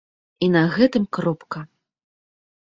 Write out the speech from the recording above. І на гэтым кропка!